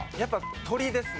「鶏」ですね。